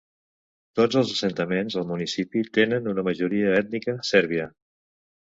Tots els assentaments al municipi tenen una majoria ètnica sèrbia.